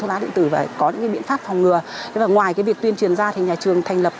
thuốc lá điện tử và có những biện pháp phòng ngừa ngoài việc tuyên truyền ra nhà trường thành lập